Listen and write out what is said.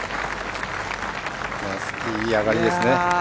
いい上がりですね。